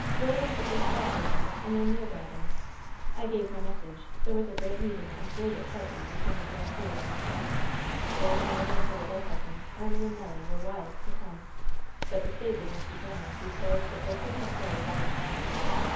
Roland had just brought her there in their mule wagon. I gave my message. There was a great meeting and great excitement between the Grandieres and the Elks. Rosemary and her little cousins, Erny and Melly, were wild to come. But the stately Miss Susannah declared that they could not go without a chaperon.